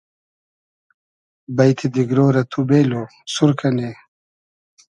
بݷتی دیگرۉ رۂ تو بېلو ، سور کئنی